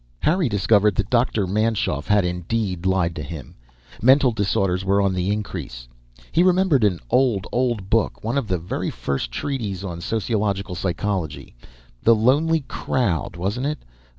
Harry discovered that Dr. Manschoff had indeed lied to him; mental disorders were on the increase. He remembered an old, old book one of the very first treatises on sociological psychology. The Lonely Crowd, wasn't it?